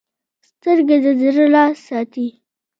سترګې د زړه راز ساتي